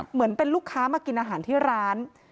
เหมือนเป็นลูกค้ามากินอาหารที่ร้าน